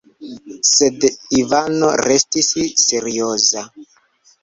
Sed Ivano restis serioza.